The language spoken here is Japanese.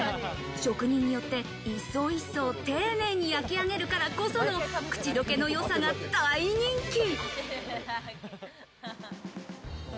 職人によって一層一層、丁寧に焼き上げるからこその、口どけのよさが大人気。